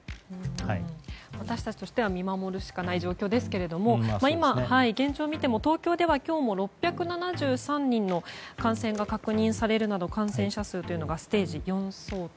私たちとしては見守るしかない状況ですが現状を見ても東京では今日も６７３人の感染が確認されるなど感染者数というのがステージ４相当。